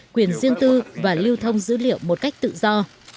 quyền riêng tư và lưu thông dữ liệu một cách tự do